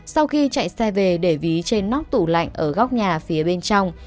sau khi chạy xe về để ví trên nóc tủ lạnh ở góc nhà phía bên trong